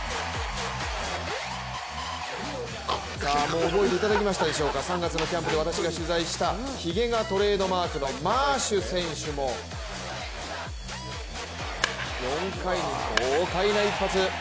もう覚えていただきましたでしょうか３月のキャンプで私が取材したひげがトレードマークのマーシュ選手も４回に豪快な一発。